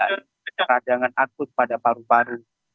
peradangan akut pada paru paru